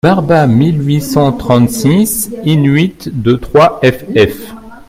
Barba, mille huit cent trente-six, in-huit de trois ff.